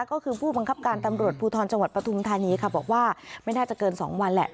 ก็คือผู้บังคับการตำรวจภูทรจังหวัดปฐุมธานีค่ะบอกว่าไม่น่าจะเกิน๒วันแหละ